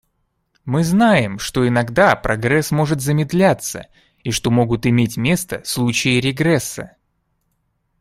Мы знаем, что иногда прогресс может замедляться и что могут иметь место случаи регресса.